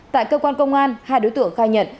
tại cơ quan công an hai đối tượng khai nhận